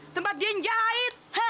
tempat dia jahit